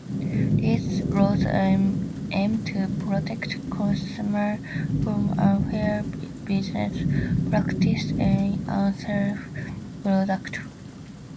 These laws aim to protect consumers from unfair business practices and unsafe products.